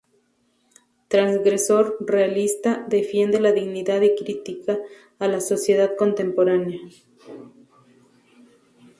Transgresor, realista, defiende la dignidad y critica a la sociedad contemporánea.